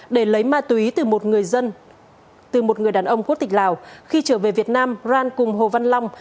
để lấy ma túy từ một người đàn ông quốc tịch lào khi trở về việt nam aran cùng hồ văn long